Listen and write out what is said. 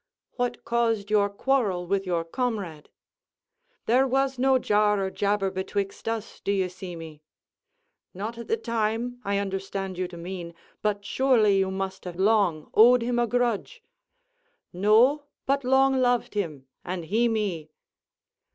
"What caused your quarrel with your comrade?" "There was no jar or jabber betwixt us, d'you see me." "Not at the time, I understand you to mean; but surely you must have long owed him a grudge?" "No, but long loved him; and he me."